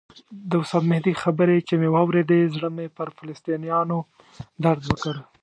د استاد مهدي خبرې چې مې واورېدې زړه مې پر فلسطینیانو درد وکړ.